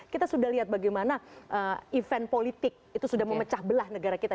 kita sudah lihat bagaimana event politik itu sudah memecah belah negara kita